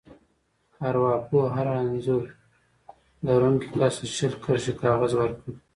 ارواپوه هر انځور لرونکي کس ته شل کرښې کاغذ ورکړ.